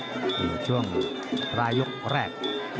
หยุดช่วงรายยกแรก